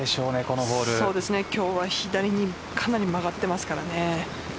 今日は左にかなり曲がっていますからね。